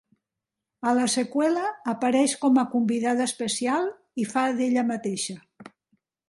A la seqüela, apareix com a convidada especial i fa d'ella mateixa.